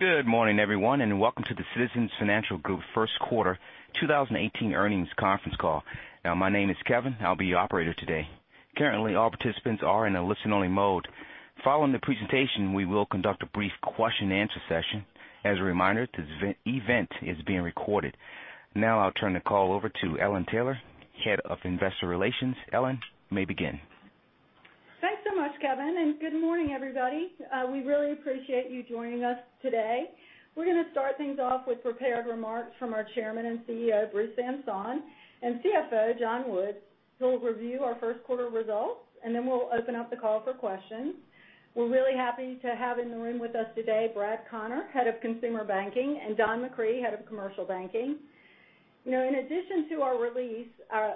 Good morning, everyone, and welcome to the Citizens Financial Group first quarter 2018 earnings conference call. My name is Kevin. I'll be your operator today. Currently, all participants are in a listen-only mode. Following the presentation, we will conduct a brief question and answer session. As a reminder, this event is being recorded. I'll turn the call over to Ellen Taylor, Head of Investor Relations. Ellen, you may begin. Thanks so much, Kevin, and good morning, everybody. We really appreciate you joining us today. We're going to start things off with prepared remarks from our Chairman and CEO, Bruce Van Saun, and CFO, John Woods, who will review our first quarter results. Then we'll open up the call for questions. We're really happy to have in the room with us today, Brad Connor, Head of Consumer Banking, and Don McCree, Head of Commercial Banking. In addition to our release,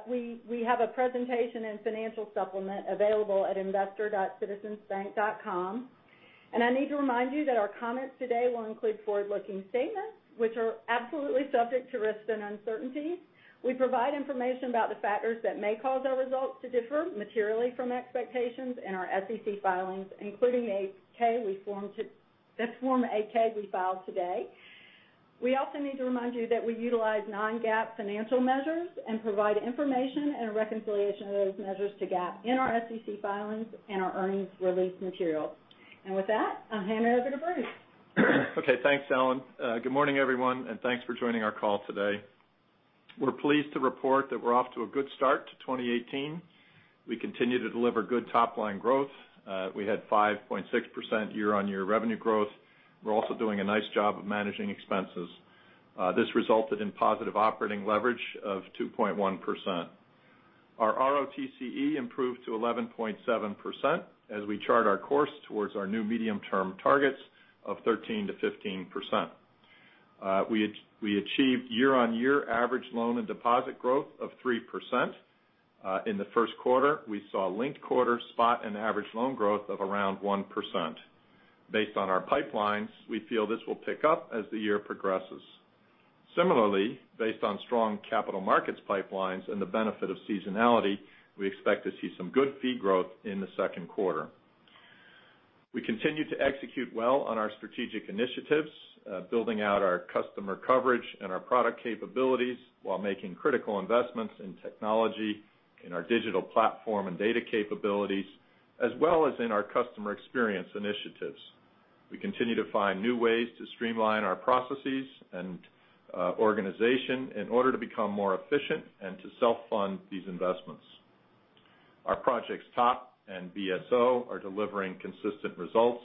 we have a presentation and financial supplement available at investor.citizensbank.com. I need to remind you that our comments today will include forward-looking statements, which are absolutely subject to risks and uncertainties. We provide information about the factors that may cause our results to differ materially from expectations in our SEC filings, including the Form 8-K we filed today. We also need to remind you that we utilize non-GAAP financial measures and provide information and a reconciliation of those measures to GAAP in our SEC filings and our earnings release materials. With that, I'll hand it over to Bruce. Okay, thanks, Ellen. Good morning, everyone, and thanks for joining our call today. We're pleased to report that we're off to a good start to 2018. We continue to deliver good top-line growth. We had 5.6% year-on-year revenue growth. We're also doing a nice job of managing expenses. This resulted in positive operating leverage of 2.1%. Our ROTCE improved to 11.7% as we chart our course towards our new medium-term targets of 13%-15%. We achieved year-on-year average loan and deposit growth of 3%. In the first quarter, we saw linked quarter spot and average loan growth of around 1%. Based on our pipelines, we feel this will pick up as the year progresses. Similarly, based on strong capital markets pipelines and the benefit of seasonality, we expect to see some good fee growth in the second quarter. We continue to execute well on our strategic initiatives, building out our customer coverage and our product capabilities while making critical investments in technology, in our digital platform and data capabilities, as well as in our customer experience initiatives. We continue to find new ways to streamline our processes and organization in order to become more efficient and to self-fund these investments. Our projects TOP and BSO are delivering consistent results.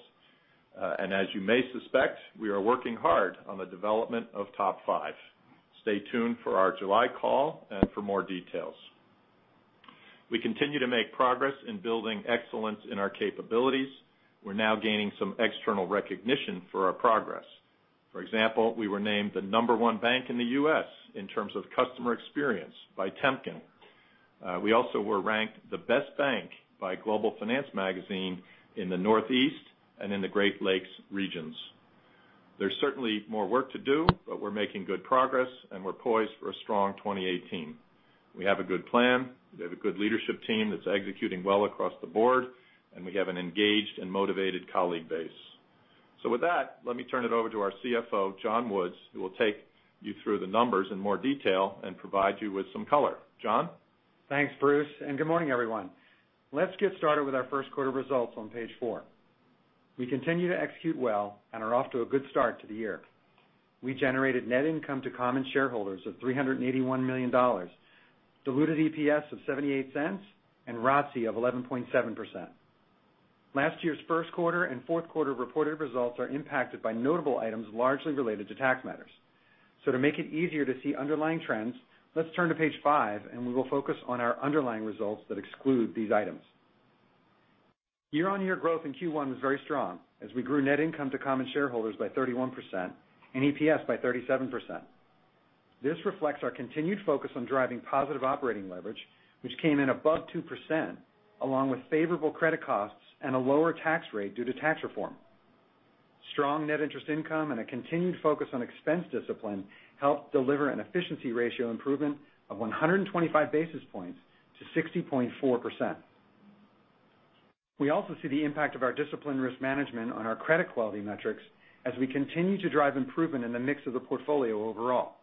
As you may suspect, we are working hard on the development of TOP V. Stay tuned for our July call and for more details. We continue to make progress in building excellence in our capabilities. We're now gaining some external recognition for our progress. For example, we were named the number one bank in the U.S. in terms of customer experience by Temkin. We also were ranked the best bank by Global Finance Magazine in the Northeast and in the Great Lakes regions. There's certainly more work to do, but we're making good progress and we're poised for a strong 2018. We have a good plan. We have a good leadership team that's executing well across the board, and we have an engaged and motivated colleague base. With that, let me turn it over to our CFO, John Woods, who will take you through the numbers in more detail and provide you with some color. John? Thanks, Bruce, good morning, everyone. Let's get started with our first quarter results on page four. We continue to execute well and are off to a good start to the year. We generated net income to common shareholders of $381 million, diluted EPS of $0.78, and ROTCE of 11.7%. Last year's first quarter and fourth quarter reported results are impacted by notable items, largely related to tax matters. To make it easier to see underlying trends, let's turn to page five, we will focus on our underlying results that exclude these items. Year-over-year growth in Q1 was very strong as we grew net income to common shareholders by 31% and EPS by 37%. This reflects our continued focus on driving positive operating leverage, which came in above 2% along with favorable credit costs and a lower tax rate due to tax reform. Strong net interest income and a continued focus on expense discipline helped deliver an efficiency ratio improvement of 125 basis points to 60.4%. We also see the impact of our disciplined risk management on our credit quality metrics as we continue to drive improvement in the mix of the portfolio overall.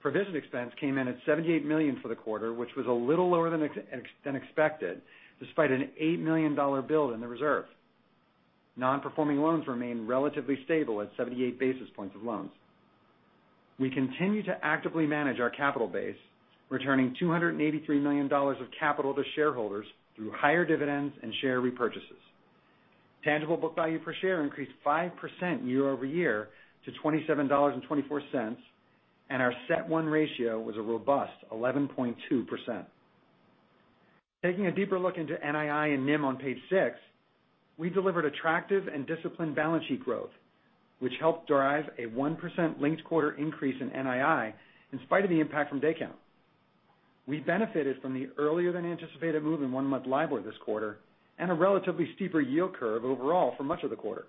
Provision expense came in at $78 million for the quarter, which was a little lower than expected, despite an $8 million build in the reserve. Non-performing loans remain relatively stable at 78 basis points of loans. We continue to actively manage our capital base, returning $283 million of capital to shareholders through higher dividends and share repurchases. Tangible book value per share increased 5% year-over-year to $27.24, and our CET1 ratio was a robust 11.2%. Taking a deeper look into NII and NIM on page six, we delivered attractive and disciplined balance sheet growth, which helped drive a 1% linked quarter increase in NII in spite of the impact from day count. We benefited from the earlier than anticipated move in one-month LIBOR this quarter and a relatively steeper yield curve overall for much of the quarter.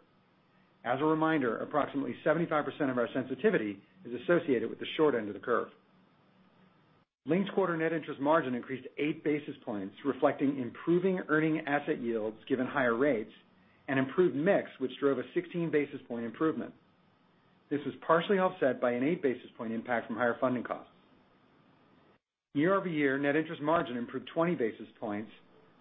As a reminder, approximately 75% of our sensitivity is associated with the short end of the curve. Linked quarter net interest margin increased eight basis points, reflecting improving earning asset yields given higher rates and improved mix, which drove a 16 basis point improvement. This was partially offset by an eight basis point impact from higher funding costs. Year-over-year net interest margin improved 20 basis points,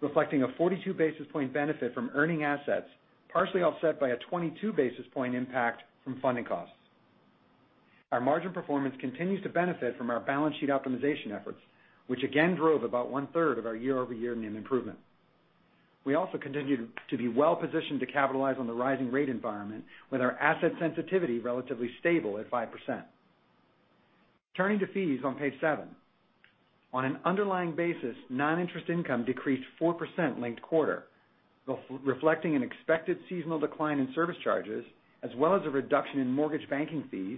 reflecting a 42 basis point benefit from earning assets, partially offset by a 22 basis point impact from funding costs. Our margin performance continues to benefit from our balance sheet optimization efforts, which again drove about one-third of our year-over-year NIM improvement. We also continue to be well-positioned to capitalize on the rising rate environment with our asset sensitivity relatively stable at 5%. Turning to fees on page seven. On an underlying basis, non-interest income decreased 4% linked quarter, reflecting an expected seasonal decline in service charges, as well as a reduction in mortgage banking fees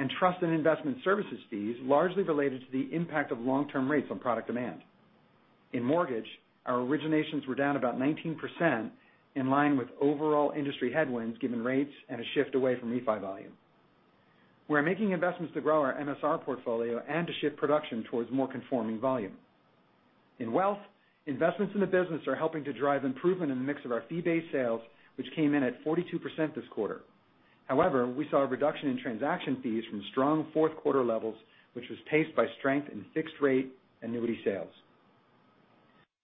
and trust and investment services fees, largely related to the impact of long-term rates on product demand. In mortgage, our originations were down about 19%, in line with overall industry headwinds given rates and a shift away from refi volume. We're making investments to grow our MSR portfolio and to shift production towards more conforming volume. In wealth, investments in the business are helping to drive improvement in the mix of our fee-based sales, which came in at 42% this quarter. However, we saw a reduction in transaction fees from strong fourth quarter levels, which was paced by strength in fixed rate annuity sales.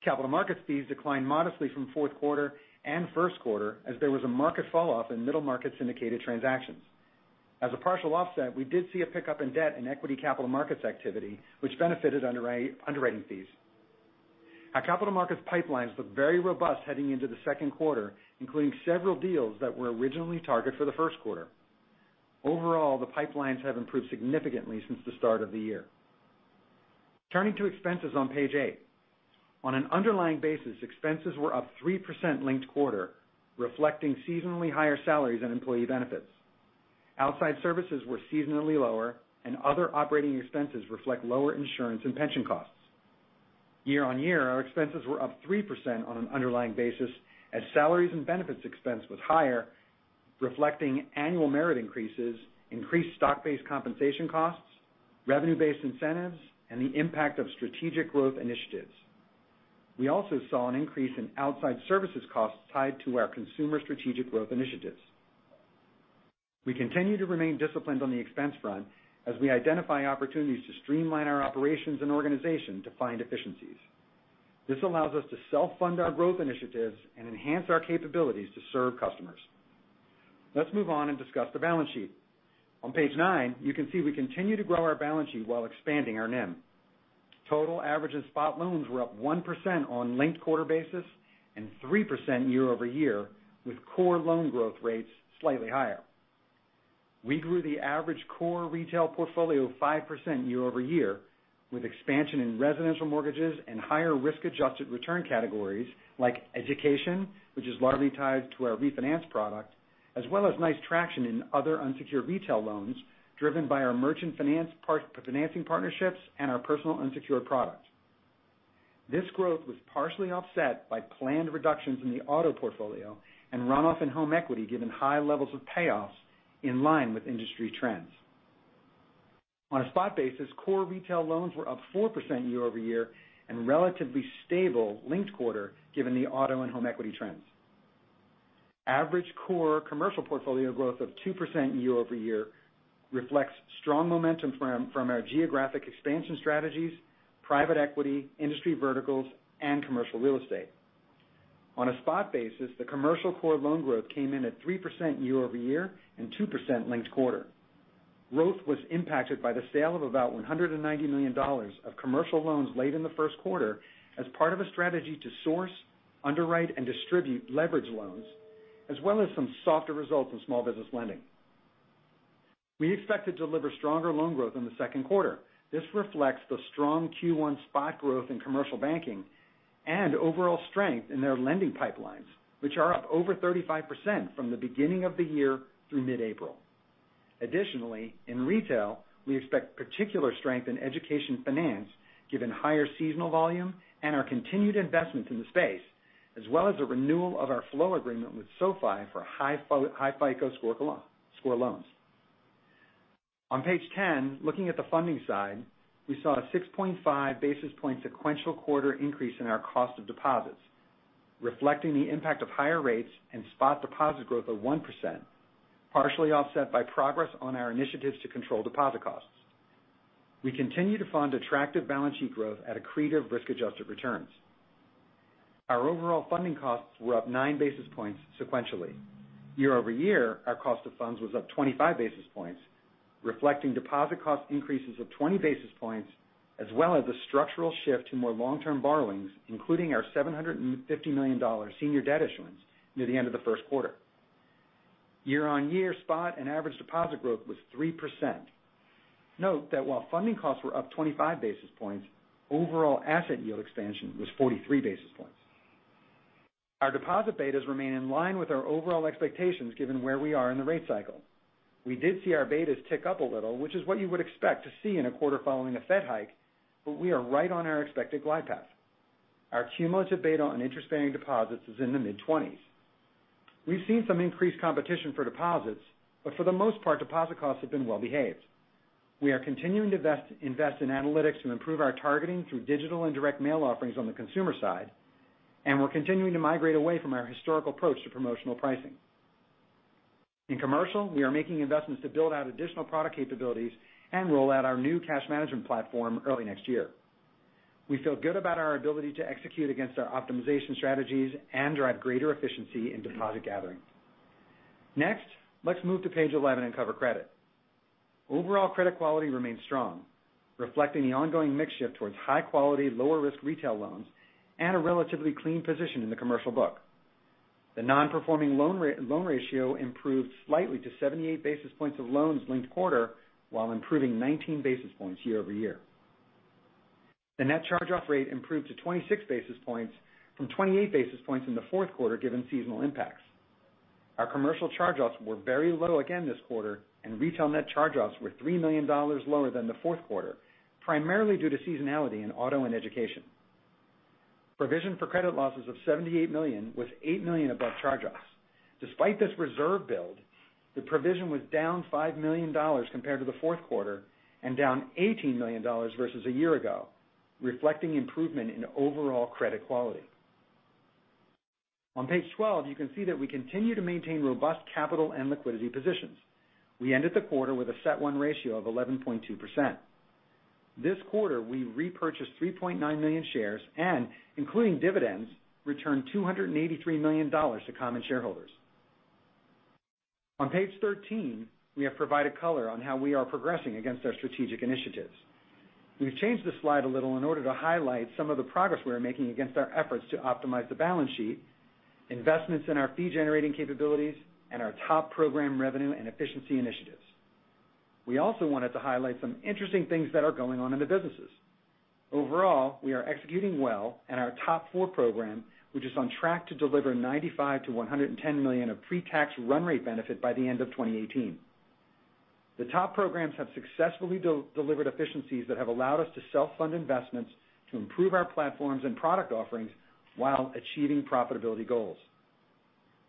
Capital markets fees declined modestly from fourth quarter and first quarter as there was a market falloff in middle market syndicated transactions. As a partial offset, we did see a pickup in debt and equity capital markets activity, which benefited underwriting fees. Our capital markets pipelines look very robust heading into the second quarter, including several deals that were originally targeted for the first quarter. Overall, the pipelines have improved significantly since the start of the year. Turning to expenses on page eight. On an underlying basis, expenses were up 3% linked quarter, reflecting seasonally higher salaries and employee benefits. Outside services were seasonally lower, and other operating expenses reflect lower insurance and pension costs. Year-over-year, our expenses were up 3% on an underlying basis as salaries and benefits expense was higher, reflecting annual merit increases, increased stock-based compensation costs, revenue-based incentives, and the impact of strategic growth initiatives. We also saw an increase in outside services costs tied to our consumer strategic growth initiatives. We continue to remain disciplined on the expense front as we identify opportunities to streamline our operations and organization to find efficiencies. This allows us to self-fund our growth initiatives and enhance our capabilities to serve customers. Let's move on and discuss the balance sheet. On page nine, you can see we continue to grow our balance sheet while expanding our NIM. Total average and spot loans were up 1% on linked quarter basis and 3% year-over-year, with core loan growth rates slightly higher. We grew the average core retail portfolio 5% year-over-year, with expansion in residential mortgages and higher risk-adjusted return categories like education, which is largely tied to our refinance product, as well as nice traction in other unsecured retail loans driven by our merchant financing partnerships and our personal unsecured product. This growth was partially offset by planned reductions in the auto portfolio and runoff in home equity, given high levels of payoffs in line with industry trends. On a spot basis, core retail loans were up 4% year-over-year and relatively stable linked quarter given the auto and home equity trends. Average core commercial portfolio growth of 2% year-over-year reflects strong momentum from our geographic expansion strategies, private equity, industry verticals, and commercial real estate. On a spot basis, the commercial core loan growth came in at 3% year-over-year and 2% linked quarter. Growth was impacted by the sale of about $190 million of commercial loans late in the first quarter as part of a strategy to source, underwrite, and distribute leverage loans, as well as some softer results in small business lending. We expect to deliver stronger loan growth in the second quarter. This reflects the strong Q1 spot growth in commercial banking and overall strength in their lending pipelines, which are up over 35% from the beginning of the year through mid-April. In retail, we expect particular strength in education finance given higher seasonal volume and our continued investments in the space, as well as the renewal of our flow agreement with SoFi for high FICO score loans. On page 10, looking at the funding side, we saw a 6.5 basis point sequential quarter increase in our cost of deposits, reflecting the impact of higher rates and spot deposit growth of 1%, partially offset by progress on our initiatives to control deposit costs. We continue to fund attractive balance sheet growth at accretive risk-adjusted returns. Our overall funding costs were up nine basis points sequentially. Year-over-year, our cost of funds was up 25 basis points, reflecting deposit cost increases of 20 basis points, as well as a structural shift to more long-term borrowings, including our $750 million senior debt issuance near the end of the first quarter. Year-on-year spot and average deposit growth was 3%. Note that while funding costs were up 25 basis points, overall asset yield expansion was 43 basis points. Our deposit betas remain in line with our overall expectations given where we are in the rate cycle. We did see our betas tick up a little, which is what you would expect to see in a quarter following a Fed hike, we are right on our expected glide path. Our cumulative beta on interest-bearing deposits is in the mid-20s. We've seen some increased competition for deposits, but for the most part, deposit costs have been well-behaved. We are continuing to invest in analytics and improve our targeting through digital and direct mail offerings on the consumer side, we're continuing to migrate away from our historical approach to promotional pricing. In commercial, we are making investments to build out additional product capabilities and roll out our new cash management platform early next year. We feel good about our ability to execute against our optimization strategies and drive greater efficiency in deposit gathering. Next, let's move to page 11 and cover credit. Overall credit quality remains strong, reflecting the ongoing mix shift towards high quality, lower risk retail loans and a relatively clean position in the commercial book. The non-performing loan ratio improved slightly to 78 basis points of loans linked quarter, while improving 19 basis points year-over-year. The net charge-off rate improved to 26 basis points from 28 basis points in the fourth quarter, given seasonal impacts. Our commercial charge-offs were very low again this quarter, and retail net charge-offs were $3 million lower than the fourth quarter, primarily due to seasonality in auto and education. Provision for credit losses of $78 million was $8 million above charge-offs. Despite this reserve build, the provision was down $5 million compared to the fourth quarter, and down $18 million versus a year ago, reflecting improvement in overall credit quality. On page 12, you can see that we continue to maintain robust capital and liquidity positions. We ended the quarter with a CET1 ratio of 11.2%. This quarter, we repurchased 3.9 million shares and, including dividends, returned $283 million to common shareholders. On page 13, we have provided color on how we are progressing against our strategic initiatives. We've changed the slide a little in order to highlight some of the progress we are making against our efforts to optimize the balance sheet, investments in our fee-generating capabilities, and our TOP program revenue and efficiency initiatives. We also wanted to highlight some interesting things that are going on in the businesses. Overall, we are executing well and our TOP IV program, which is on track to deliver $95 million-$110 million of pre-tax run rate benefit by the end of 2018. The TOP programs have successfully delivered efficiencies that have allowed us to self-fund investments to improve our platforms and product offerings while achieving profitability goals.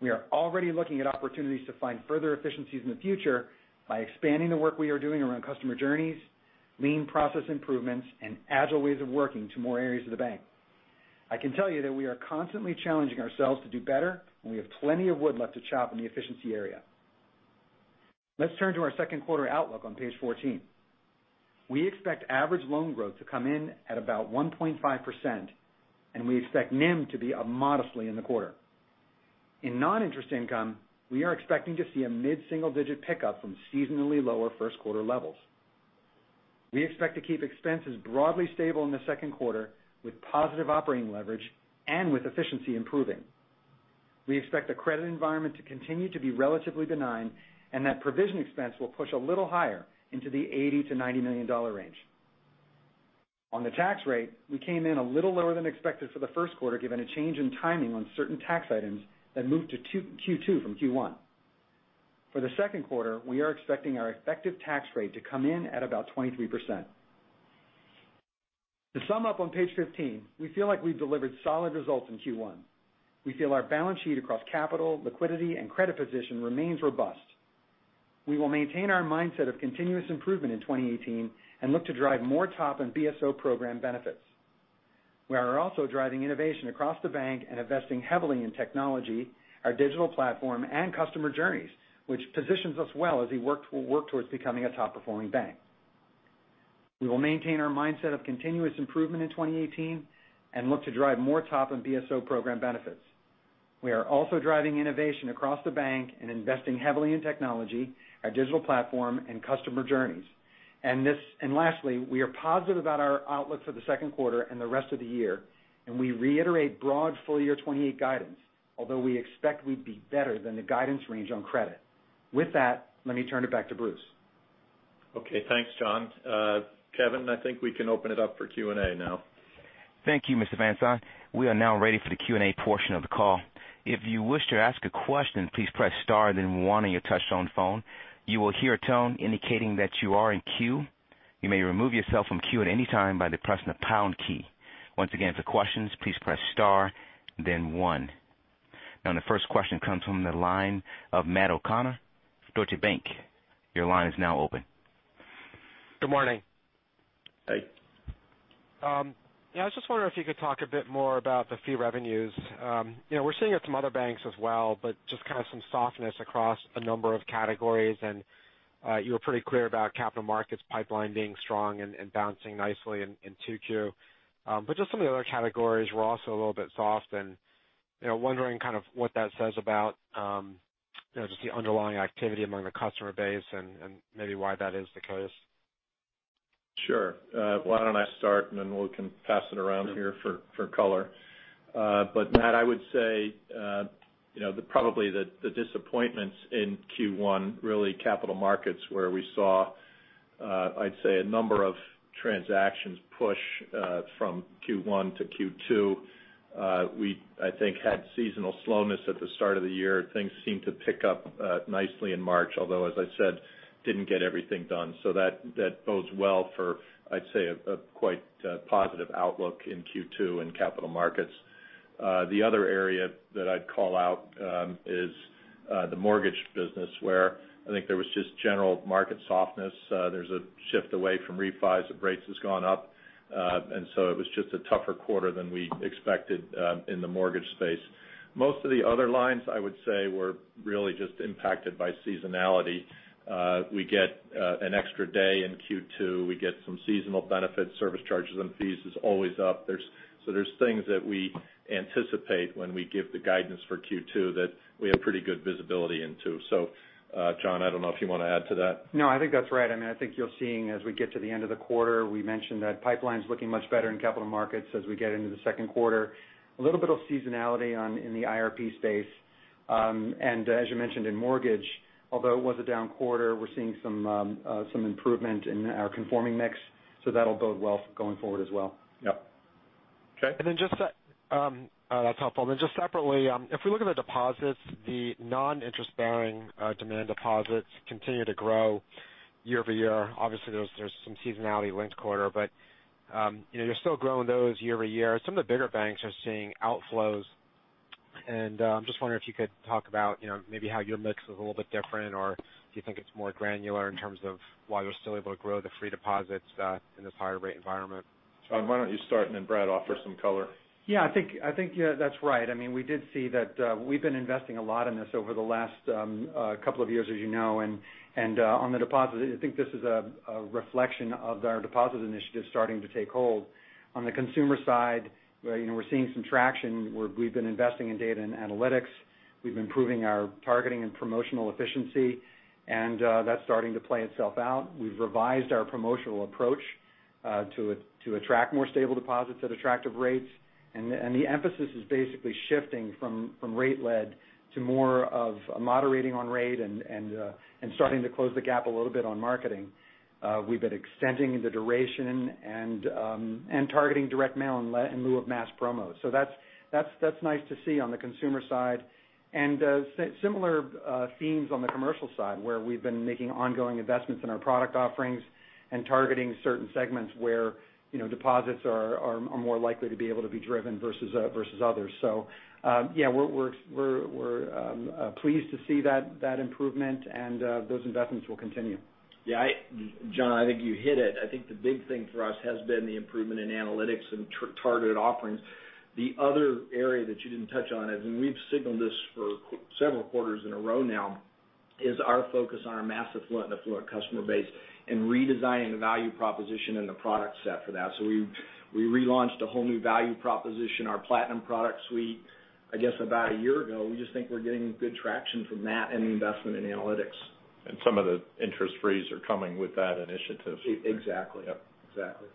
We are already looking at opportunities to find further efficiencies in the future by expanding the work we are doing around customer journeys, lean process improvements, and agile ways of working to more areas of the bank. I can tell you that we are constantly challenging ourselves to do better, and we have plenty of wood left to chop in the efficiency area. Let's turn to our second quarter outlook on page 14. We expect average loan growth to come in at about 1.5%, and we expect NIM to be up modestly in the quarter. In non-interest income, we are expecting to see a mid-single digit pickup from seasonally lower first quarter levels. We expect to keep expenses broadly stable in the second quarter, with positive operating leverage and with efficiency improving. We expect the credit environment to continue to be relatively benign and that provision expense will push a little higher into the $80 million-$90 million range. On the tax rate, we came in a little lower than expected for the first quarter, given a change in timing on certain tax items that moved to Q2 from Q1. For the second quarter, we are expecting our effective tax rate to come in at about 23%. To sum up on page 15, we feel like we've delivered solid results in Q1. We feel our balance sheet across capital, liquidity, and credit position remains robust. We will maintain our mindset of continuous improvement in 2018 and look to drive more top-end BSO program benefits. We are also driving innovation across the bank and investing heavily in technology, our digital platform, and customer journeys, which positions us well as we work towards becoming a top-performing bank. We will maintain our mindset of continuous improvement in 2018 and look to drive more top-end BSO program benefits. We are also driving innovation across the bank and investing heavily in technology, our digital platform, and customer journeys. Lastly, we are positive about our outlook for the second quarter and the rest of the year, and we reiterate broad full-year 2018 guidance. Although we expect we'd be better than the guidance range on credit. With that, let me turn it back to Bruce. Okay. Thanks, John. Kevin, I think we can open it up for Q&A now. Thank you, Mr. Van Saun. We are now ready for the Q&A portion of the call. If you wish to ask a question, please press star then one on your touchtone phone. You will hear a tone indicating that you are in queue. You may remove yourself from queue at any time by pressing the pound key. Once again, for questions, please press star then one. The first question comes from the line of Matt O'Connor, Deutsche Bank. Your line is now open. Good morning. Hey. Yeah, I was just wondering if you could talk a bit more about the fee revenues. We're seeing it from other banks as well, but just kind of some softness across a number of categories. You were pretty clear about capital markets pipeline being strong and bouncing nicely in 2Q. Just some of the other categories were also a little bit soft and wondering what that says about just the underlying activity among the customer base and maybe why that is the case. Sure. Why don't I start, and then we can pass it around here for color. Matt, I would say probably the disappointments in Q1, really capital markets where we saw, I'd say, a number of transactions push from Q1 to Q2. We, I think had seasonal slowness at the start of the year. Things seemed to pick up nicely in March, although, as I said, didn't get everything done. That bodes well for, I'd say, a quite positive outlook in Q2 in capital markets. The other area that I'd call out is the mortgage business, where I think there was just general market softness. There's a shift away from refis as rates has gone up. It was just a tougher quarter than we expected in the mortgage space. Most of the other lines, I would say, were really just impacted by seasonality. We get an extra day in Q2. We get some seasonal benefits. Service charges and fees is always up. There's things that we anticipate when we give the guidance for Q2 that we have pretty good visibility into. John, I don't know if you want to add to that. No, I think that's right. I think you're seeing as we get to the end of the quarter, we mentioned that pipeline's looking much better in capital markets as we get into the second quarter. A little bit of seasonality in the IRP space. As you mentioned, in mortgage, although it was a down quarter, we're seeing some improvement in our conforming mix, that'll bode well going forward as well. Yep. Okay. That's helpful. Separately, if we look at the deposits, the non-interest-bearing demand deposits continue to grow year-over-year. Obviously, there's some seasonality linked-quarter, you're still growing those year-over-year. Some of the bigger banks are seeing outflows, and I'm just wondering if you could talk about maybe how your mix is a little bit different, or do you think it's more granular in terms of why you're still able to grow the free deposits in this higher rate environment? John, why don't you start, Brad offer some color. Yeah, I think that's right. We did see that we've been investing a lot in this over the last couple of years, as you know. On the deposit, I think this is a reflection of our deposit initiative starting to take hold. On the consumer side, we're seeing some traction where we've been investing in data and analytics. We've been improving our targeting and promotional efficiency, that's starting to play itself out. We've revised our promotional approach to attract more stable deposits at attractive rates. The emphasis is basically shifting from rate-led to more of a moderating on rate and starting to close the gap a little bit on marketing. We've been extending the duration and targeting direct mail in lieu of mass promos. That's nice to see on the consumer side. Similar themes on the commercial side, where we've been making ongoing investments in our product offerings and targeting certain segments where deposits are more likely to be able to be driven versus others. Yeah, we're pleased to see that improvement and those investments will continue. Yeah, John, I think you hit it. I think the big thing for us has been the improvement in analytics and targeted offerings. The other area that you didn't touch on is, and we've signaled this for several quarters in a row now, is our focus on our massive affluent customer base and redesigning the value proposition and the product set for that. We relaunched a whole new value proposition, our Platinum product suite, I guess, about a year ago. We just think we're getting good traction from that and the investment in analytics. Some of the interest fees are coming with that initiative. Exactly. Yep. Exactly.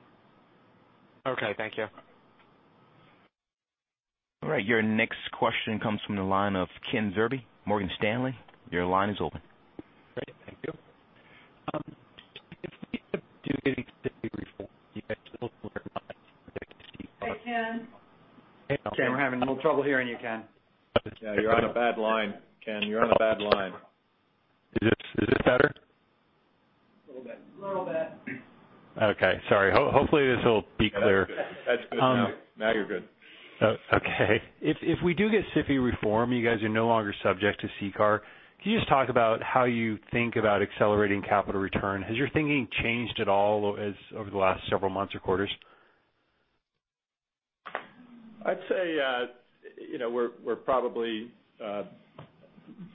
Okay. Thank you. All right. Your next question comes from the line of Ken Zerbe, Morgan Stanley. Your line is open. Great. Thank you. If we do get any SIFI reform, you guys will- Hey, Ken. Ken, we're having a little trouble hearing you, Ken. Yeah, you're on a bad line. Ken, you're on a bad line. Is this better? A little bit. A little bit. Okay. Sorry. Hopefully, this will be clear. That's good now. Now you're good. Okay. If we do get SIFI reform, you guys are no longer subject to CCAR. Can you just talk about how you think about accelerating capital return? Has your thinking changed at all over the last several months or quarters? I'd say we're probably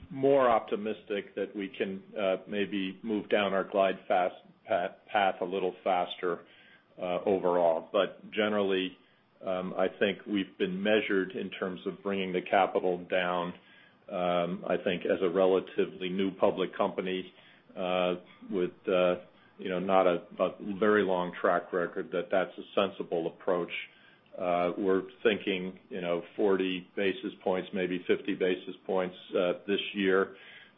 more optimistic that we can maybe move down our glide path a little faster overall. Generally, I think we've been measured in terms of bringing the capital down, I think as a relatively new public company with not a very long track record that that's a sensible approach. We're thinking 40 basis points, maybe 50 basis points this year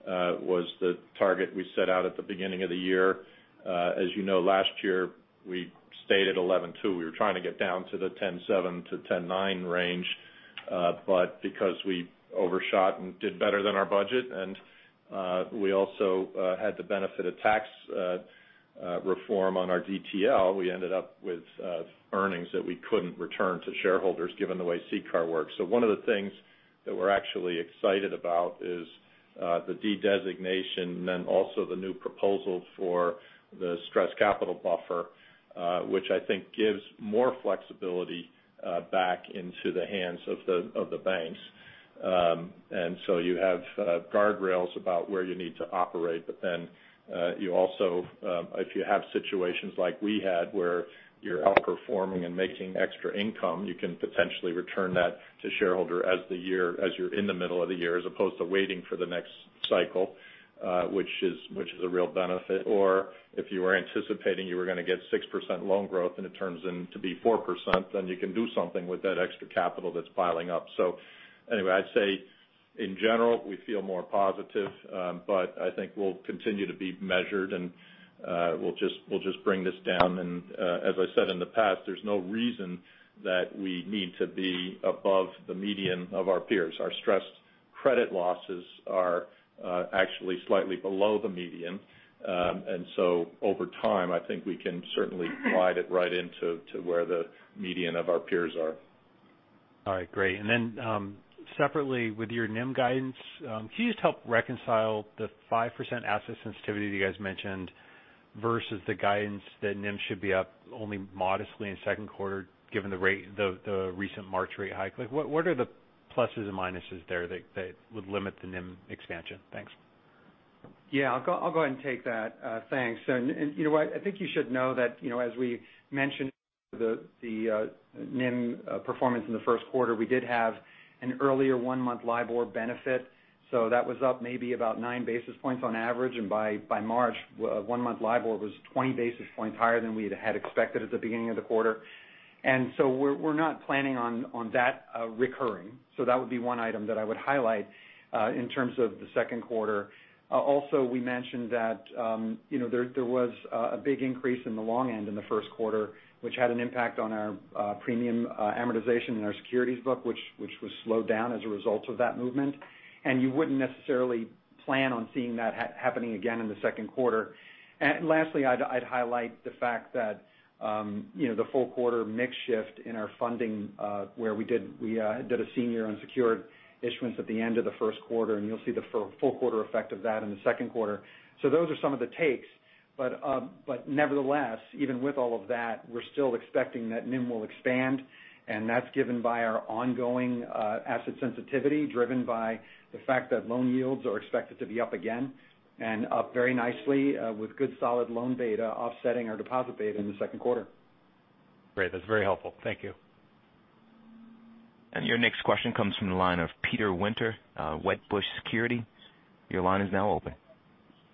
was the target we set out at the beginning of the year. As you know, last year, we stayed at 11.2. We were trying to get down to the 10.7-10.9 range. Because we overshot and did better than our budget, and we also had the benefit of tax reform on our DTL, we ended up with earnings that we couldn't return to shareholders given the way CCAR works. One of the things that we're actually excited about is the de-designation, then also the new proposal for the stress capital buffer which I think gives more flexibility back into the hands of the banks. You have guardrails about where you need to operate, you also, if you have situations like we had where you're outperforming and making extra income, you can potentially return that to shareholder as you're in the middle of the year, as opposed to waiting for the next cycle which is a real benefit. If you were anticipating you were going to get 6% loan growth and it turns in to be 4%, you can do something with that extra capital that's piling up. Anyway, I'd say in general, we feel more positive. I think we'll continue to be measured, and we'll just bring this down. As I said in the past, there's no reason that we need to be above the median of our peers. Our stress credit losses are actually slightly below the median. Over time, I think we can certainly glide it right into where the median of our peers are. All right, great. Separately, with your NIM guidance, can you just help reconcile the 5% asset sensitivity that you guys mentioned versus the guidance that NIM should be up only modestly in second quarter, given the recent March rate hike? What are the pluses and minuses there that would limit the NIM expansion? Thanks. Yeah. I'll go ahead and take that. Thanks. You know what, I think you should know that as we mentioned the NIM performance in the first quarter, we did have an earlier one-month LIBOR benefit. That was up maybe about nine basis points on average. By March, one-month LIBOR was 20 basis points higher than we had expected at the beginning of the quarter. We're not planning on that recurring. That would be one item that I would highlight in terms of the second quarter. Also, we mentioned that there was a big increase in the long end in the first quarter, which had an impact on our premium amortization in our securities book which was slowed down as a result of that movement. You wouldn't necessarily plan on seeing that happening again in the second quarter. Lastly, I'd highlight the fact that the full quarter mix shift in our funding where we did a senior unsecured issuance at the end of the first quarter, and you'll see the full quarter effect of that in the second quarter. Those are some of the takes, but nevertheless, even with all of that, we're still expecting that NIM will expand, and that's given by our ongoing asset sensitivity, driven by the fact that loan yields are expected to be up again and up very nicely with good solid loan beta offsetting our deposit beta in the second quarter. Great. That's very helpful. Thank you. Your next question comes from the line of Peter Winter, Wedbush Securities. Your line is now open.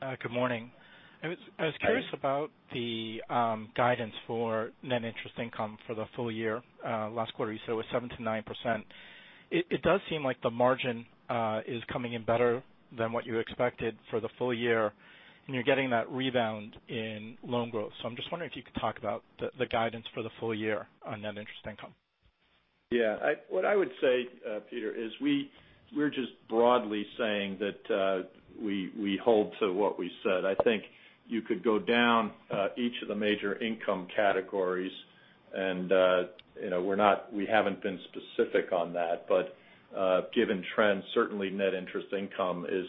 Good morning. I was curious about the guidance for net interest income for the full year. Last quarter, you said it was 7% to 9%. It does seem like the margin is coming in better than what you expected for the full year, and you're getting that rebound in loan growth. I'm just wondering if you could talk about the guidance for the full year on net interest income. What I would say, Peter, is we're just broadly saying that we hold to what we said. I think you could go down each of the major income categories and we haven't been specific on that. Given trends, certainly net interest income is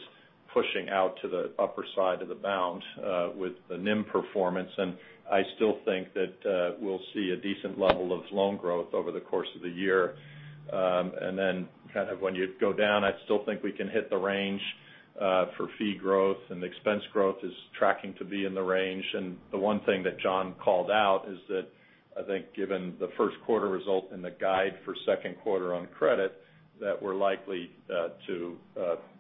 pushing out to the upper side of the bound with the NIM performance. I still think that we'll see a decent level of loan growth over the course of the year. When you go down, I still think we can hit the range for fee growth, and expense growth is tracking to be in the range. The one thing that John called out is that I think given the first quarter result and the guide for second quarter on credit, that we're likely to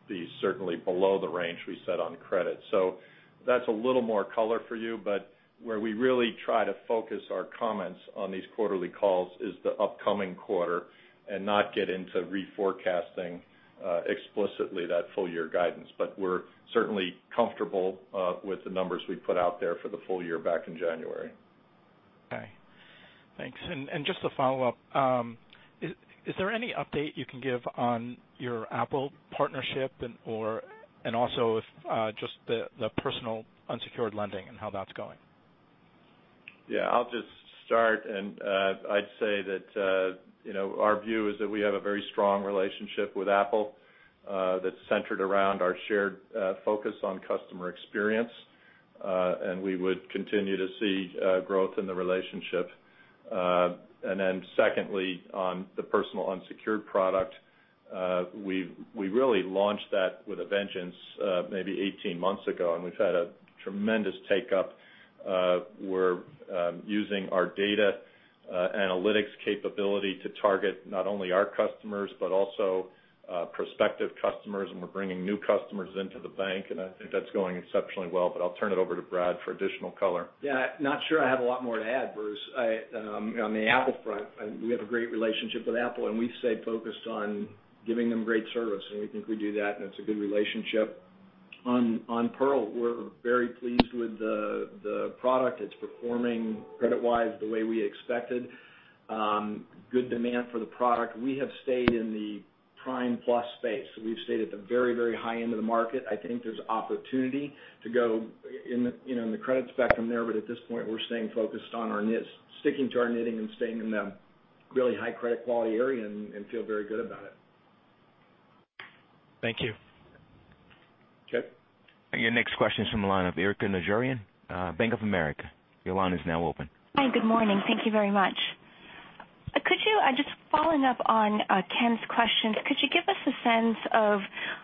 be certainly below the range we set on credit. That's a little more color for you, where we really try to focus our comments on these quarterly calls is the upcoming quarter and not get into reforecasting explicitly that full year guidance. We're certainly comfortable with the numbers we put out there for the full year back in January. Okay. Thanks. Just to follow up, is there any update you can give on your Apple partnership and also if just the personal unsecured lending and how that's going? I'll just start I'd say that our view is that we have a very strong relationship with Apple that's centered around our shared focus on customer experience. We would continue to see growth in the relationship. Then secondly, on the personal unsecured product, we really launched that with a vengeance maybe 18 months ago, we've had a tremendous take-up. We're using our data analytics capability to target not only our customers but also prospective customers, we're bringing new customers into the bank, I think that's going exceptionally well. I'll turn it over to Brad for additional color. Yeah. Not sure I have a lot more to add, Bruce. On the Apple front, we have a great relationship with Apple, and we stay focused on giving them great service, and we think we do that, and it's a good relationship. On Pearl, we're very pleased with the product. It's performing credit-wise the way we expected. Good demand for the product. We have stayed in the prime plus space. We've stayed at the very high end of the market. I think there's opportunity to go in the credit spectrum there, but at this point, we're staying focused on our niche, sticking to our knitting and staying in the really high credit quality area and feel very good about it. Thank you. Okay. Your next question is from the line of Erika Najarian, Bank of America. Your line is now open. Hi. Good morning. Thank you very much. Just following up on Ken's questions, could you give us a sense of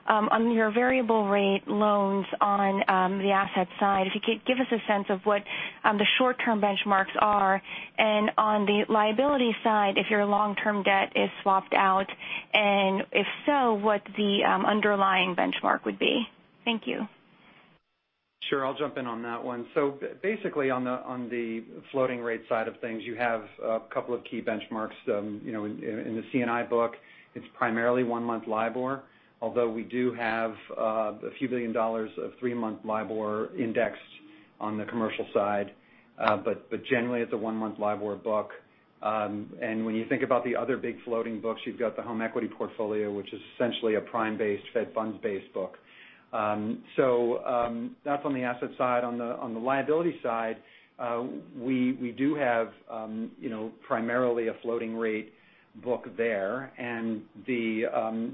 on your variable rate loans on the asset side, if you could give us a sense of what the short-term benchmarks are and on the liability side, if your long-term debt is swapped out, and if so, what the underlying benchmark would be? Thank you. Sure. I'll jump in on that one. Basically, on the floating rate side of things, you have a couple of key benchmarks. In the C&I book, it's primarily one-month LIBOR, although we do have a few billion dollars of three-month LIBOR indexed on the commercial side. Generally, it's a one-month LIBOR book. When you think about the other big floating books, you've got the home equity portfolio, which is essentially a prime-based, Fed funds-based book. That's on the asset side. On the liability side, we do have primarily a floating rate book there.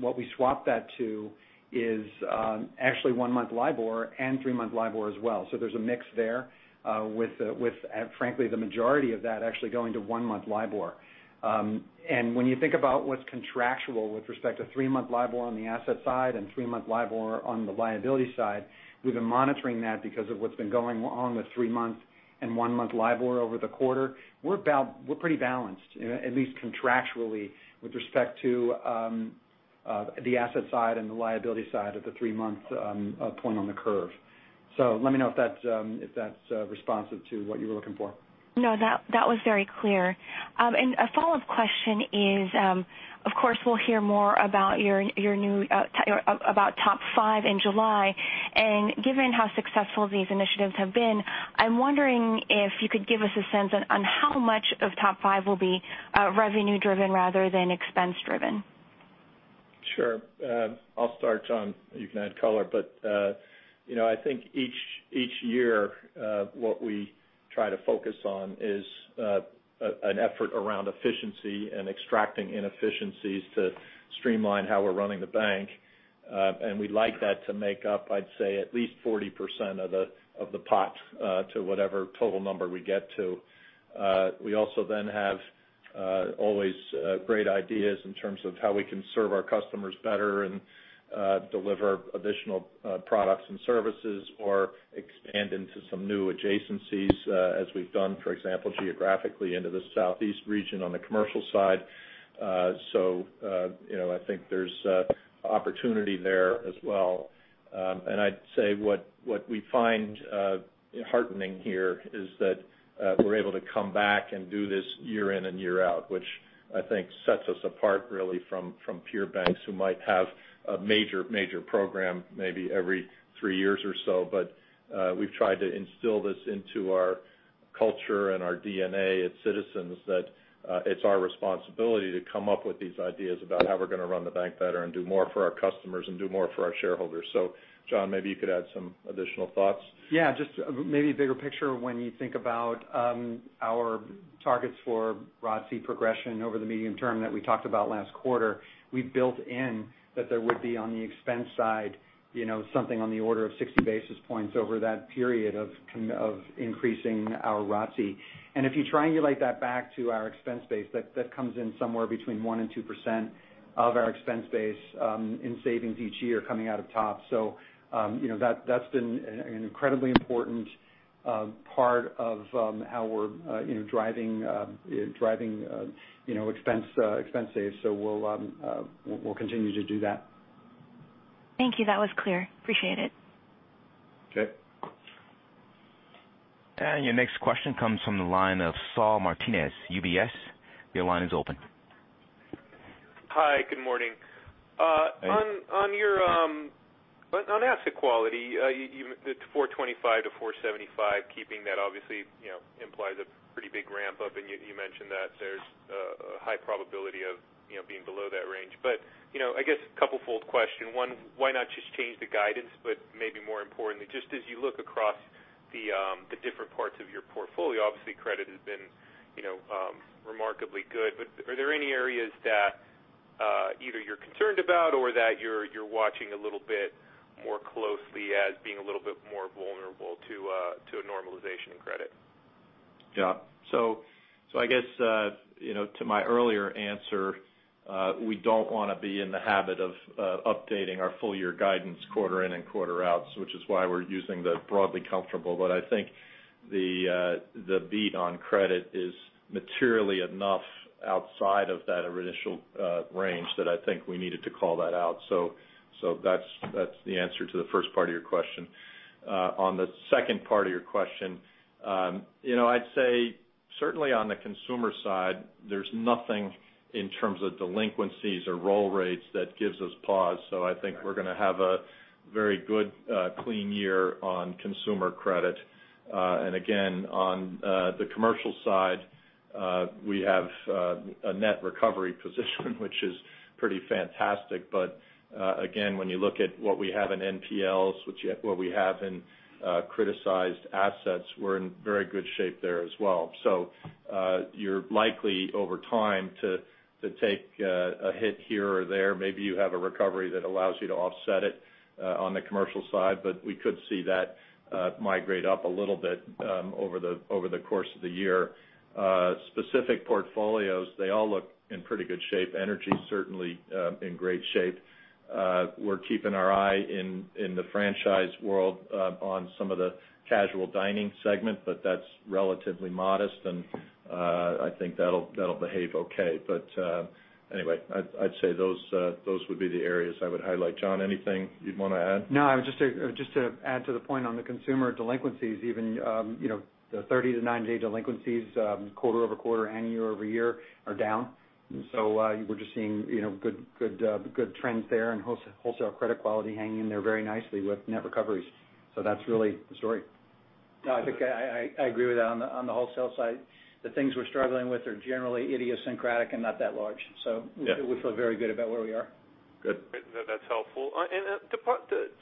What we swap that to is actually one-month LIBOR and three-month LIBOR as well. There's a mix there with, frankly, the majority of that actually going to one-month LIBOR. When you think about what's contractual with respect to three-month LIBOR on the asset side and three-month LIBOR on the liability side, we've been monitoring that because of what's been going on with three-month and one-month LIBOR over the quarter. We're pretty balanced, at least contractually, with respect to the asset side and the liability side of the three-month point on the curve. Let me know if that's responsive to what you were looking for. No, that was very clear. A follow-up question is, of course, we'll hear more about TOP V in July. Given how successful these initiatives have been, I'm wondering if you could give us a sense on how much of TOP V will be revenue-driven rather than expense-driven. Sure. I'll start, John. You can add color. I think each year, what we try to focus on is an effort around efficiency and extracting inefficiencies to streamline how we're running the bank. We'd like that to make up, I'd say, at least 40% of the pot to whatever total number we get to. We also have always great ideas in terms of how we can serve our customers better and deliver additional products and services or expand into some new adjacencies as we've done, for example, geographically into the Southeast region on the commercial side. I think there's opportunity there as well. I'd say what we find heartening here is that we're able to come back and do this year in and year out, which I think sets us apart really from peer banks who might have a major program maybe every three years or so. We've tried to instill this into our culture and our DNA at Citizens that it's our responsibility to come up with these ideas about how we're going to run the bank better and do more for our customers and do more for our shareholders. John, maybe you could add some additional thoughts. Yeah. Just maybe a bigger picture when you think about our targets for ROTCE progression over the medium term that we talked about last quarter. We built in that there would be on the expense side something on the order of 60 basis points over that period of increasing our ROTCE. If you triangulate that back to our expense base, that comes in somewhere between 1% and 2% of our expense base in savings each year coming out of TOP. That's been an incredibly important part of how we're driving expense save. We'll continue to do that. Thank you. That was clear. Appreciate it. Okay. Your next question comes from the line of Saul Martinez, UBS. Your line is open. Hi, good morning. Hi. On asset quality, the 425-475, keeping that obviously implies a pretty big ramp up, and you mentioned that there's a high probability of being below that range. Why not just change the guidance? Maybe more importantly, just as you look across the different parts of your portfolio, obviously credit has been remarkably good, but are there any areas that either you're concerned about or that you're watching a little bit more closely as being a little bit more vulnerable to a normalization in credit? I guess to my earlier answer, we don't want to be in the habit of updating our full year guidance quarter in and quarter out, which is why we're using the broadly comfortable. I think the beat on credit is materially enough outside of that initial range that I think we needed to call that out. That's the answer to the first part of your question. On the second part of your question, I'd say certainly on the consumer side, there's nothing in terms of delinquencies or roll rates that gives us pause. I think we're going to have a very good, clean year on consumer credit. Again, on the commercial side, we have a net recovery position, which is pretty fantastic. Again, when you look at what we have in NPLs, what we have in criticized assets, we're in very good shape there as well. You're likely over time to take a hit here or there. Maybe you have a recovery that allows you to offset it on the commercial side, but we could see that migrate up a little bit over the course of the year. Specific portfolios, they all look in pretty good shape. Energy, certainly in great shape. We're keeping our eye in the franchise world on some of the casual dining segment, but that's relatively modest, and I think that'll behave okay. Anyway, I'd say those would be the areas I would highlight. John, anything you'd want to add? Just to add to the point on the consumer delinquencies, even the 30- to 90-day delinquencies quarter-over-quarter, year-over-year are down. We're just seeing good trends there and wholesale credit quality hanging in there very nicely with net recoveries. That's really the story. I think I agree with that on the wholesale side. The things we're struggling with are generally idiosyncratic and not that large. Yeah. We feel very good about where we are. Good. That's helpful.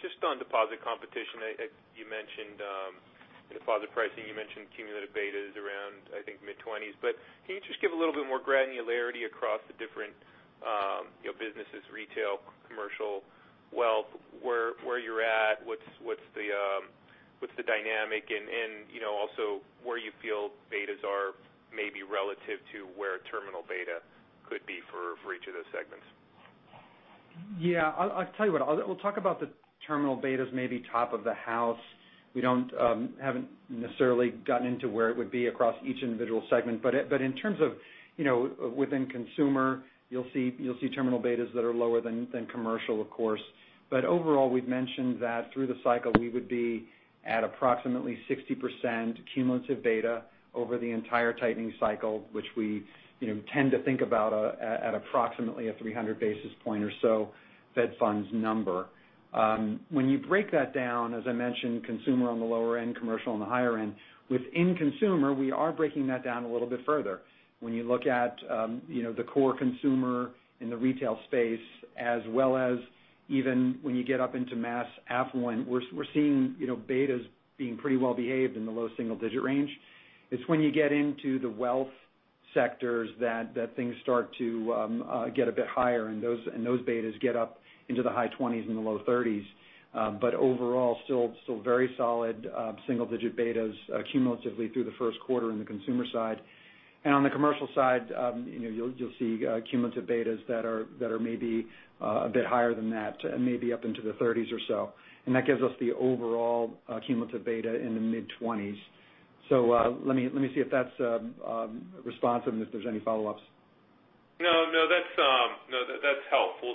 Just on deposit competition, you mentioned deposit pricing, you mentioned cumulative betas around, I think, mid-20s, can you just give a little bit more granularity across the different businesses, retail, commercial, wealth, where you're at, what's the dynamic and also where you feel betas are maybe relative to where terminal beta could be for each of those segments? Yeah. I'll tell you what. We'll talk about the terminal betas maybe top of the house. We haven't necessarily gotten into where it would be across each individual segment, but in terms of within consumer, you'll see terminal betas that are lower than commercial, of course. Overall, we've mentioned that through the cycle, we would be at approximately 60% cumulative beta over the entire tightening cycle, which we tend to think about at approximately a 300 basis points or so Fed funds number. When you break that down, as I mentioned, consumer on the lower end, commercial on the higher end. Within consumer, we are breaking that down a little bit further. When you look at the core consumer in the retail space, as well as even when you get up into mass affluent, we're seeing betas being pretty well behaved in the low single-digit range. It's when you get into the wealth sectors that things start to get a bit higher and those betas get up into the high 20s and the low 30s. Overall, still very solid single-digit betas cumulatively through the first quarter in the consumer side. On the commercial side, you'll see cumulative betas that are maybe a bit higher than that, maybe up into the 30s or so. That gives us the overall cumulative beta in the mid-20s. Let me see if that's responsive and if there's any follow-ups. No, that's helpful.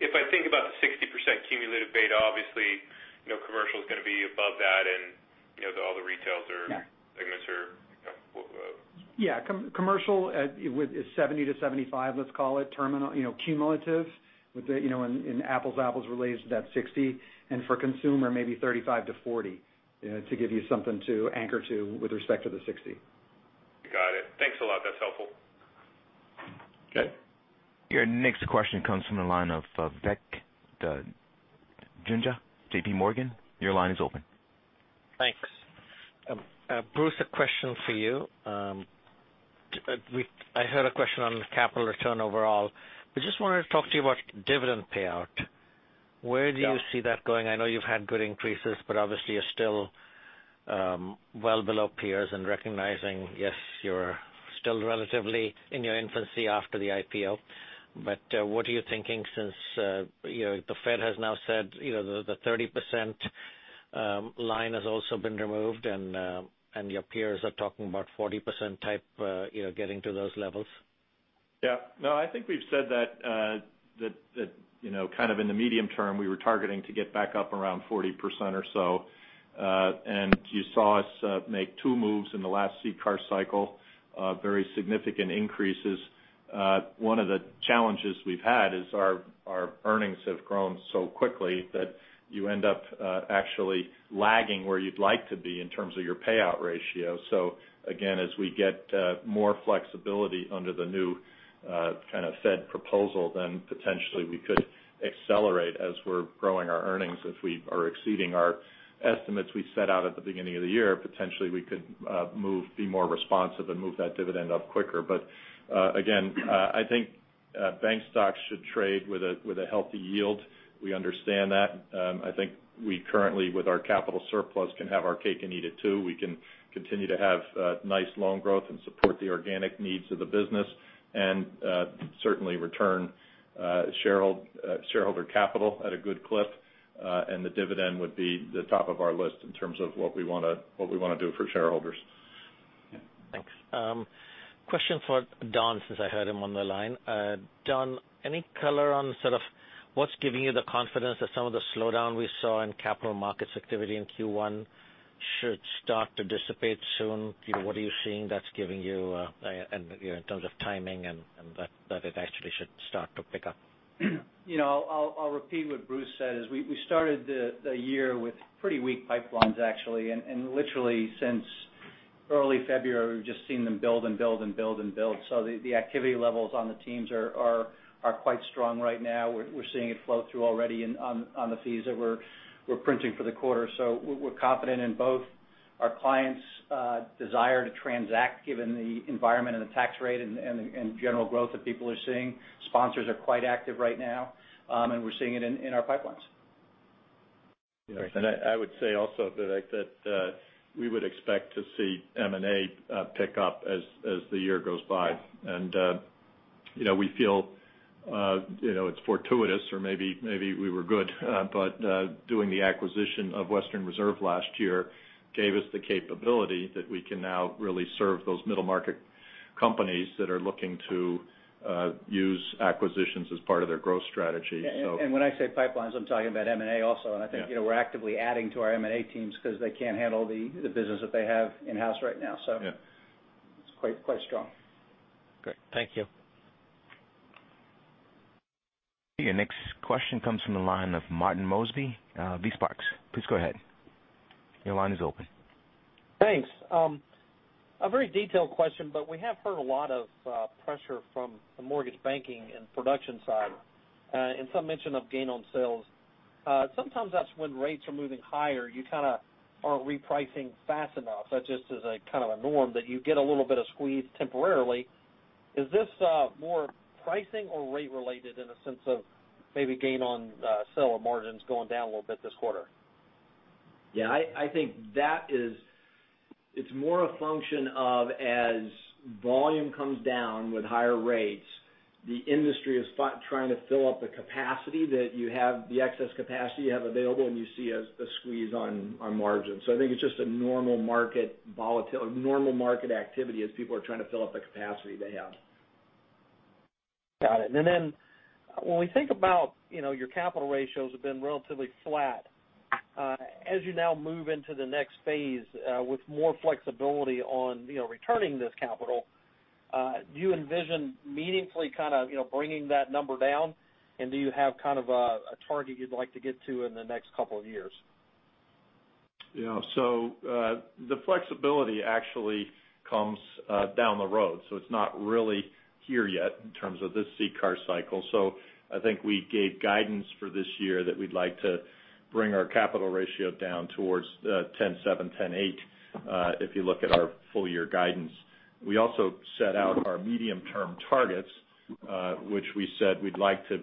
If I think about the 60% cumulative beta, obviously, commercial is going to be above that and all the retails are- Yeah segments are Yeah. Commercial is 70-75, let's call it, cumulative, in apples to apples relates to that 60. For consumer, maybe 35-40, to give you something to anchor to with respect to the 60. Got it. Thanks a lot. That's helpful. Good. Your next question comes from the line of Vivek Juneja, JPMorgan. Your line is open. Thanks. Bruce, a question for you. I had a question on the capital return overall, but just wanted to talk to you about dividend payout. Yeah. Where do you see that going? I know you've had good increases, obviously you're still well below peers and recognizing, yes, you're still relatively in your infancy after the IPO. What are you thinking since the Fed has now said the 30% line has also been removed and your peers are talking about 40% type, getting to those levels? Yeah. No, I think we've said that kind of in the medium term, we were targeting to get back up around 40% or so. You saw us make two moves in the last CCAR cycle, very significant increases. One of the challenges we've had is our earnings have grown so quickly that you end up actually lagging where you'd like to be in terms of your payout ratio. Again, as we get more flexibility under the new kind of Fed proposal, potentially we could accelerate as we're growing our earnings. If we are exceeding our estimates we set out at the beginning of the year, potentially we could be more responsive and move that dividend up quicker. Again, I think bank stocks should trade with a healthy yield. We understand that. I think we currently, with our capital surplus, can have our cake and eat it too. We can continue to have nice loan growth and support the organic needs of the business and certainly return shareholder capital at a good clip. The dividend would be the top of our list in terms of what we want to do for shareholders. Thanks. Question for Don, since I heard him on the line. Don, any color on sort of what's giving you the confidence that some of the slowdown we saw in capital markets activity in Q1 should start to dissipate soon? What are you seeing that's giving you in terms of timing and that it actually should start to pick up? I'll repeat what Bruce said, is we started the year with pretty weak pipelines actually. Literally since early February, we've just seen them build and build and build and build. The activity levels on the teams are quite strong right now. We're seeing it flow through already on the fees that we're printing for the quarter. We're confident in both our clients' desire to transact given the environment and the tax rate and general growth that people are seeing. Sponsors are quite active right now. We're seeing it in our pipelines. I would say also that we would expect to see M&A pick up as the year goes by. We feel it's fortuitous or maybe we were good, but doing the acquisition of Western Reserve last year gave us the capability that we can now really serve those middle market companies that are looking to use acquisitions as part of their growth strategy. When I say pipelines, I'm talking about M&A also. Yeah. I think we're actively adding to our M&A teams because they can't handle the business that they have in-house right now. Yeah. It's quite strong. Great. Thank you. Your next question comes from the line of Marty Mosby, VSparks. Please go ahead. Your line is open. Thanks. A very detailed question. We have heard a lot of pressure from the mortgage banking and production side, and some mention of gain on sales. Sometimes that's when rates are moving higher, you kind of aren't repricing fast enough. That just is a kind of a norm that you get a little bit of squeeze temporarily. Is this more pricing or rate related in a sense of maybe gain on sale or margins going down a little bit this quarter? Yeah, I think that is more a function of as volume comes down with higher rates, the industry is trying to fill up the capacity that you have, the excess capacity you have available, and you see a squeeze on margins. I think it's just a normal market activity as people are trying to fill up the capacity they have. Got it. Then when we think about your capital ratios have been relatively flat. As you now move into the next phase with more flexibility on returning this capital, do you envision meaningfully bringing that number down? Do you have a target you'd like to get to in the next couple of years? Yeah. The flexibility actually comes down the road, it's not really here yet in terms of this CCAR cycle. I think we gave guidance for this year that we'd like to bring our capital ratio down towards 10.7, 10.8, if you look at our full-year guidance. We also set out our medium-term targets, which we said we'd like to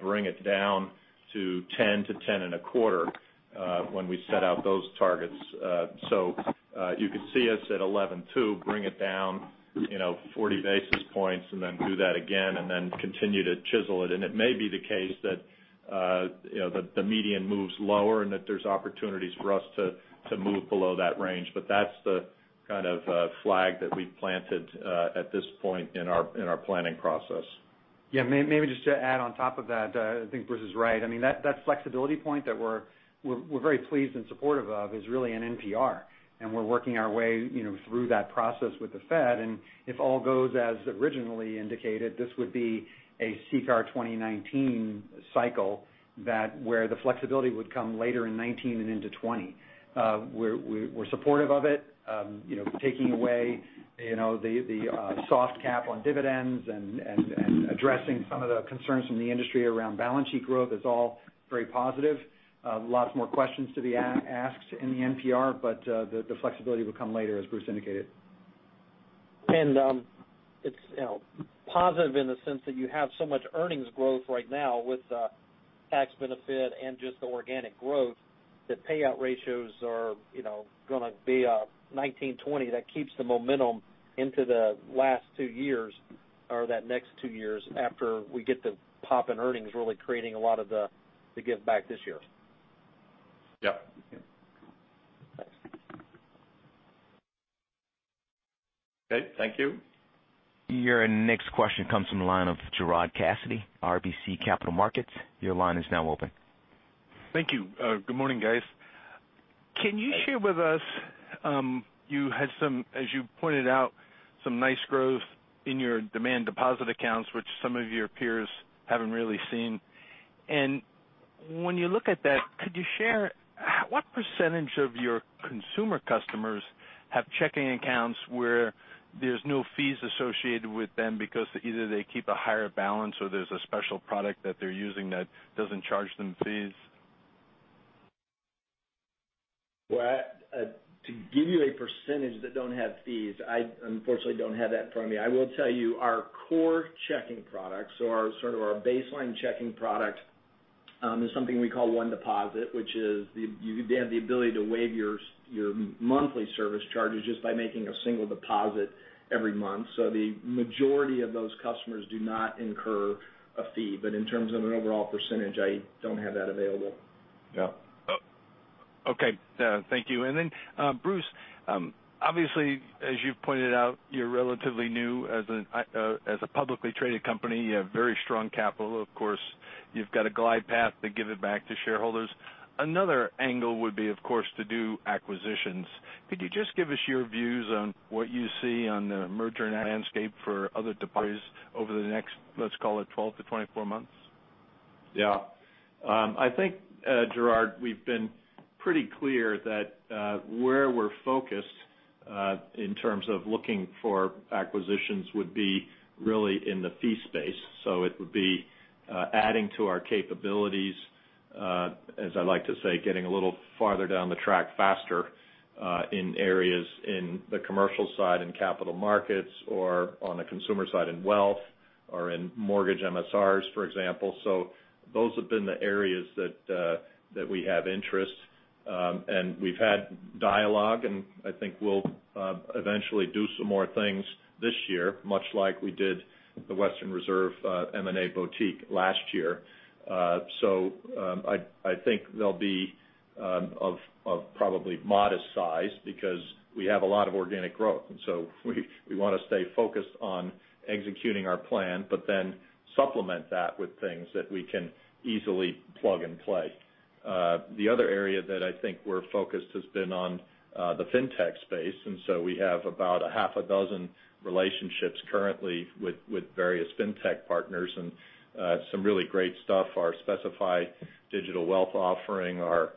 bring it down to 10 to 10.25 when we set out those targets. You could see us at 11.2, bring it down 40 basis points, then do that again, then continue to chisel it. It may be the case that the median moves lower and that there's opportunities for us to move below that range. That's the kind of flag that we've planted at this point in our planning process. Yeah, maybe just to add on top of that, I mean, that flexibility point that we're very pleased and supportive of is really an NPR, and we're working our way through that process with the Fed. If all goes as originally indicated, this would be a CCAR 2019 cycle that where the flexibility would come later in 2019 and into 2020. We're supportive of it. Taking away the soft cap on dividends and addressing some of the concerns from the industry around balance sheet growth is all very positive. Lots more questions to be asked in the NPR, the flexibility will come later, as Bruce indicated. It's positive in the sense that you have so much earnings growth right now with tax benefit and just the organic growth that payout ratios are going to be 19.20% that keeps the momentum into the last 2 years or that next 2 years after we get the pop in earnings, really creating a lot of the give back this year. Yep. Thanks. Okay, thank you. Your next question comes from the line of Gerard Cassidy, RBC Capital Markets. Your line is now open. Thank you. Good morning, guys. Can you share with us, you had some, as you pointed out, some nice growth in your demand deposit accounts, which some of your peers haven't really seen. When you look at that, could you share what % of your consumer customers have checking accounts where there's no fees associated with them because either they keep a higher balance or there's a special product that they're using that doesn't charge them fees? Well, to give you a % that don't have fees, I unfortunately don't have that in front of me. I will tell you our core checking product, so our sort of our baseline checking product, is something we call One Deposit, which is you have the ability to waive your monthly service charges just by making a single deposit every month. The majority of those customers do not incur a fee. In terms of an overall %, I don't have that available. Yeah. Okay. Thank you. Bruce, obviously, as you've pointed out, you're relatively new as a publicly traded company. You have very strong capital. Of course, you've got a glide path to give it back to shareholders. Another angle would be, of course, to do acquisitions. Could you just give us your views on what you see on the merger and landscape for other depositories over the next, let's call it 12-24 months? Yeah. I think, Gerard, we've been pretty clear that where we're focused in terms of looking for acquisitions would be really in the fee space. It would be adding to our capabilities, as I like to say, getting a little farther down the track faster in areas in the commercial side in capital markets or on the consumer side in wealth or in mortgage MSRs, for example. Those have been the areas that we have interest. We've had dialogue, and I think we'll eventually do some more things this year, much like we did the Western Reserve M&A boutique last year. I think they'll be of probably modest size because we have a lot of organic growth. We want to stay focused on executing our plan, but then supplement that with things that we can easily plug and play. The other area that I think we're focused has been on the fintech space. We have about a half a dozen relationships currently with various fintech partners and some really great stuff. Our specified digital wealth offering, our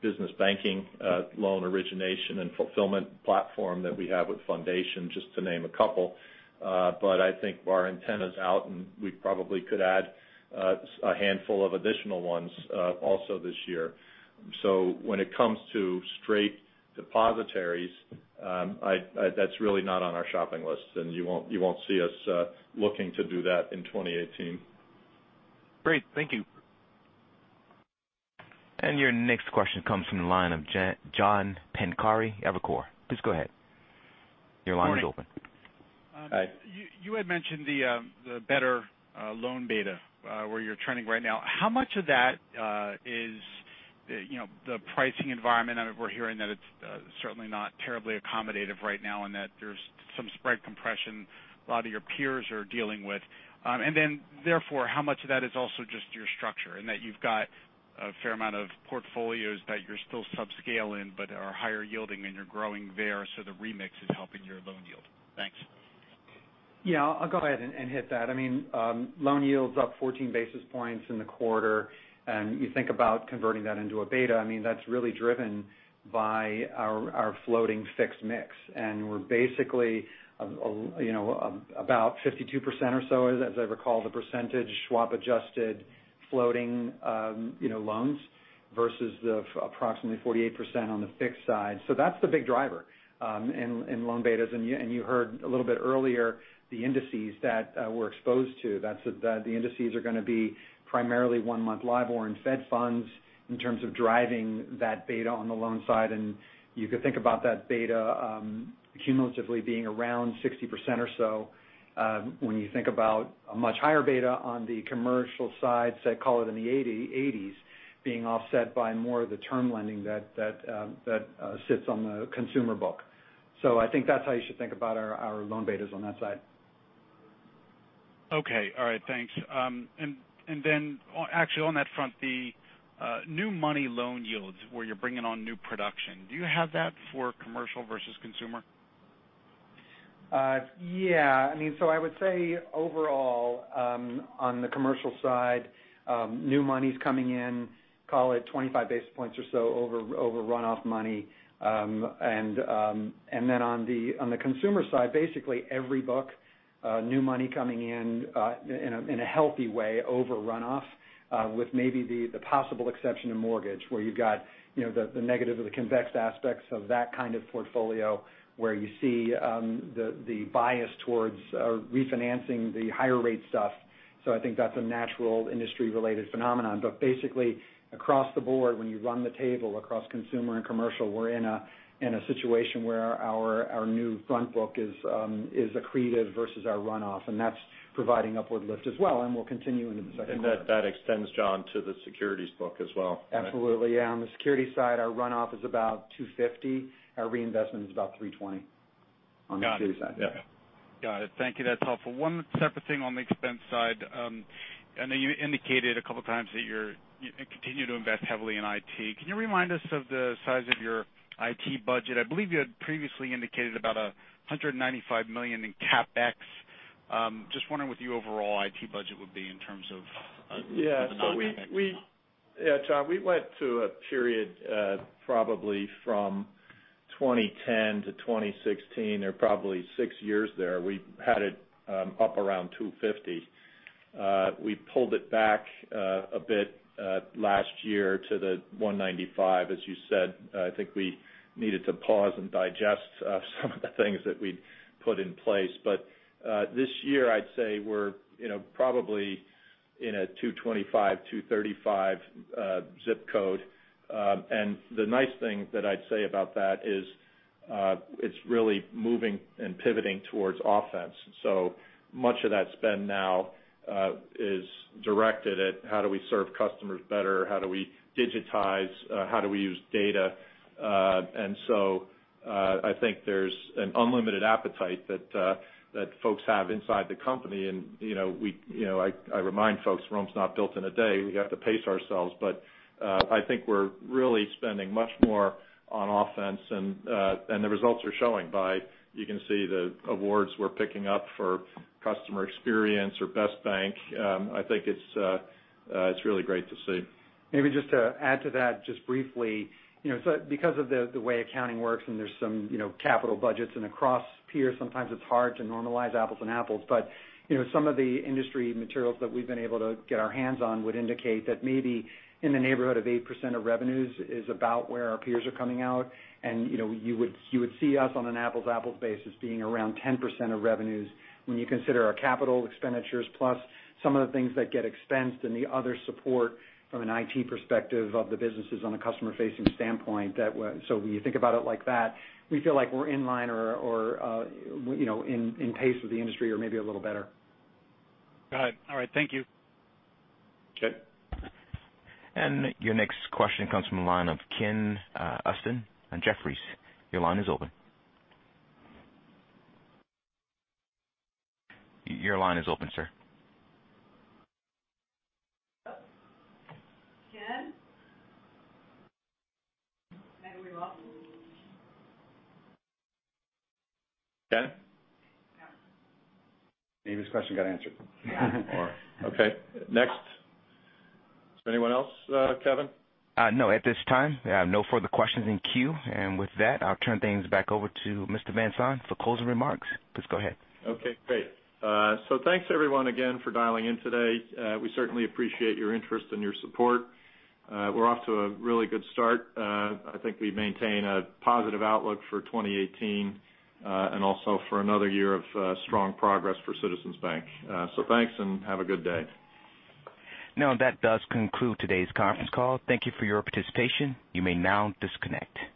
business banking loan origination and fulfillment platform that we have with Fundation, just to name a couple. I think our antenna's out, and we probably could add a handful of additional ones also this year. When it comes to straight depositories, that's really not on our shopping list, and you won't see us looking to do that in 2018. Great. Thank you. Your next question comes from the line of John Pancari, Evercore. Please go ahead. Your line is open. Morning. Hi. You had mentioned the better loan beta, where you're trending right now. How much of that is the pricing environment? I mean, we're hearing that it's certainly not terribly accommodative right now, and that there's some spread compression a lot of your peers are dealing with. Therefore, how much of that is also just your structure and that you've got a fair amount of portfolios that you're still sub-scale in but are higher yielding and you're growing there, so the remix is helping your loan yield? Thanks. Yeah. I'll go ahead and hit that. I mean, loan yield's up 14 basis points in the quarter. You think about converting that into a beta, I mean, that's really driven by our floating fixed mix. We're basically about 52% or so, as I recall, the percentage swap-adjusted floating loans versus the approximately 48% on the fixed side. That's the big driver in loan betas. You heard a little bit earlier the indices that we're exposed to. The indices are going to be primarily one-month LIBOR and Fed funds in terms of driving that beta on the loan side. You could think about that beta cumulatively being around 60% or so when you think about a much higher beta on the commercial side, say, call it in the 80s being offset by more of the term lending that sits on the consumer book. I think that's how you should think about our loan betas on that side. Okay. All right. Thanks. Actually on that front, the new money loan yields where you're bringing on new production, do you have that for commercial versus consumer? Yeah. I mean, I would say overall, on the commercial side, new money's coming in, call it 25 basis points or so over runoff money. On the consumer side, basically every book, new money coming in in a healthy way over runoff, with maybe the possible exception of mortgage where you've got the negative or the convex aspects of that kind of portfolio where you see the bias towards refinancing the higher rate stuff. I think that's a natural industry-related phenomenon. Basically across the board, when you run the table across consumer and commercial, we're in a situation where our new front book is accretive versus our runoff, and that's providing upward lift as well and will continue into the second quarter. That extends, John, to the securities book as well. Absolutely, yeah. On the security side, our runoff is about 250. Our reinvestment is about 320 on the security side. Got it. Yeah. Got it. Thank you. That's helpful. One separate thing on the expense side. I know you indicated a couple of times that you continue to invest heavily in IT. Can you remind us of the size of your IT budget? I believe you had previously indicated about $195 million in CapEx. Just wondering what the overall IT budget would be in terms of the non-CapEx amount. Yeah, John, we went through a period probably from 2010 to 2016, or probably six years there. We had it up around $250 million. We pulled it back a bit last year to the $195 million, as you said. I think we needed to pause and digest some of the things that we'd put in place. This year I'd say we're probably in a $225 million-$235 million ZIP code. The nice thing that I'd say about that is it's really moving and pivoting towards offense. So much of that spend now is directed at how do we serve customers better, how do we digitize, how do we use data? I think there's an unlimited appetite that folks have inside the company. I remind folks, Rome's not built in a day. We have to pace ourselves. I think we're really spending much more on offense, and the results are showing by you can see the awards we're picking up for customer experience or Best Bank. I think it's really great to see. Maybe just to add to that just briefly. Because of the way accounting works and there's some capital budgets and across peers sometimes it's hard to normalize apples and apples, but some of the industry materials that we've been able to get our hands on would indicate that maybe in the neighborhood of 8% of revenues is about where our peers are coming out. You would see us on an apples-apples basis being around 10% of revenues when you consider our capital expenditures plus some of the things that get expensed and the other support from an IT perspective of the businesses on a customer-facing standpoint. When you think about it like that, we feel like we're in line or in pace with the industry or maybe a little better. Got it. All right. Thank you. Okay. Your next question comes from the line of Ken Usdin on Jefferies. Your line is open. Your line is open, sir. Ken? Maybe we lost him. Ken? No. Maybe his question got answered. All right. Okay. Next. Is there anyone else, Kevin? No, at this time, no further questions in queue. With that, I'll turn things back over to Mr. Van Saun for closing remarks. Please go ahead. Okay, great. Thanks everyone again for dialing in today. We certainly appreciate your interest and your support. We're off to a really good start. I think we maintain a positive outlook for 2018, and also for another year of strong progress for Citizens Bank. Thanks, and have a good day. That does conclude today's conference call. Thank you for your participation. You may now disconnect.